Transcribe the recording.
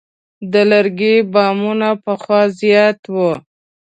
د لرګي بامونه پخوا زیات وو.